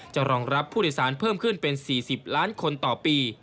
รองรับผู้โดยสารเพิ่มขึ้นเป็น๔๐ล้านคนต่อปี